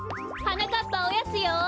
なかっぱおやつよ！